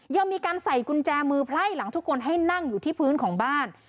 ยังมีการใส่กุญแจมือไพร่หลังทุกคนให้นั่งอยู่ที่พื้นของบ้าน